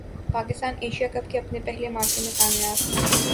Pakistan Asia Cup کے اپنے پہلے معرکے میں کامیاب